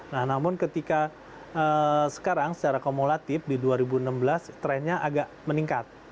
nah namun ketika sekarang secara kumulatif di dua ribu enam belas trennya agak meningkat